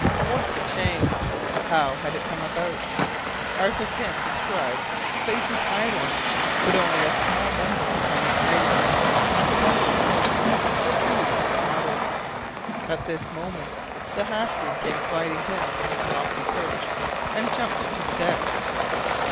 What a change! How had it come about? Arthur Pym described spacious islands, but only a small number of tiny islets, half a dozen at most, protruded from the waters. At this moment the half breed came sliding down from his lofty perch and jumped to the deck.